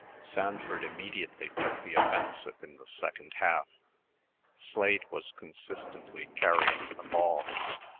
Sanford immediately took the offensive in the second half. Slade was consistently carrying the ball.